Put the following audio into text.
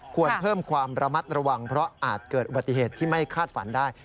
ควรเพิ่มความระมัดระวังเพราะอาจเกิดอุบัติเหตุที่ไม่คาดฝันได้